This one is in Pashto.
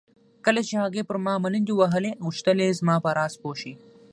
کله چې هغې پر ما ملنډې وهلې غوښتل یې زما په راز پوه شي.